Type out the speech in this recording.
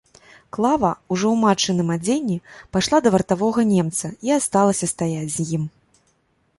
Клава, ужо ў матчыным адзенні, пайшла да вартавога немца і асталася стаяць з ім.